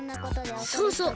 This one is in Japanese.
そうそう